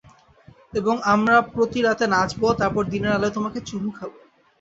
এবং আমরা প্রতি রাতে নাচব, তারপর দিনের আলোয় তোমাকে চুমু খাবো।